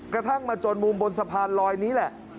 กระทั่งมาจนมุมบนสะพานลอยนี้แหละ